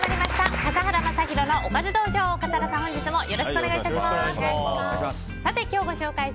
笠原さん、本日もよろしくお願いいたします。